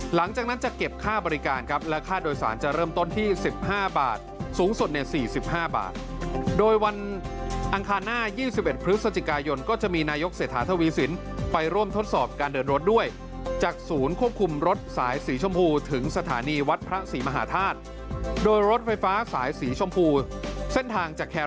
หลังจากนั้นจะเก็บค่าบริการครับและค่าโดยสารจะเริ่มต้นที่๑๕บาทสูงสุดใน๔๕บาทโดยวันอังคารหน้า๒๑พฤศจิกายนก็จะมีนายกเศรษฐาทวีสินไปร่วมทดสอบการเดินรถด้วยจากศูนย์ควบคุมรถสายสีชมพูถึงสถานีวัดพระศรีมหาธาตุโดยรถไฟฟ้าสายสีชมพูเส้นทางจากแค